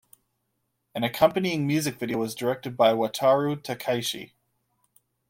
An accompanying music video was directed by Wataru Takeishi.